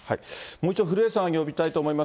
もう一度古江さんを呼びたいと思います。